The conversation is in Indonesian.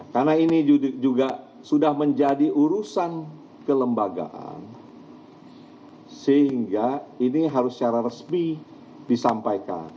karena ini juga sudah menjadi urusan kelembagaan sehingga ini harus secara resmi disampaikan